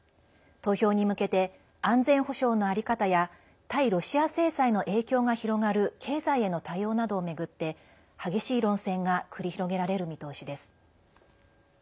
投票に向けて安全保障の在り方や対ロシア制裁の影響が広がる経済への対応などをめぐって激しい論戦が繰り広げられる見通しです。